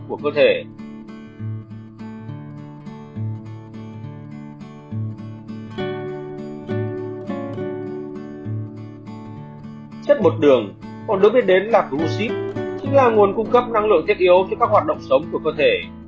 chất bột đường còn được biết đến là glucid chính là nguồn cung cấp năng lượng thiết yếu cho các hoạt động sống của cơ thể